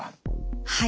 はい。